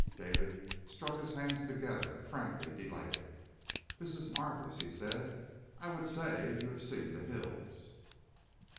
David struck his hands together, frankly delighted. "This is marvelous," he said, "I would say you have seen the hills."